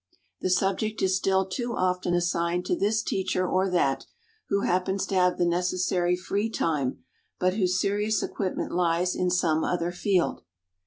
The subject is still too often assigned to this teacher or that who happens to have the necessary free time, but whose serious equipment lies in some other field.